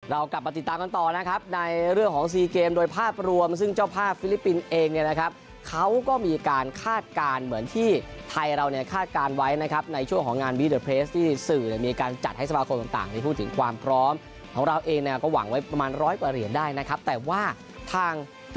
เรากลับมาติดตามกันต่อนะครับในเรื่องของซีเกมโดยภาพรวมซึ่งเจ้าภาพฟิลิปปินส์เองเนี่ยนะครับเขาก็มีการคาดการณ์เหมือนที่ไทยเราเนี่ยคาดการณ์ไว้นะครับในช่วงของงานบีเดอร์เพลสที่สื่อเนี่ยมีการจัดให้สมาคมต่างได้พูดถึงความพร้อมของเราเองเนี่ยก็หวังไว้ประมาณร้อยกว่าเหรียญได้นะครับแต่ว่าทาง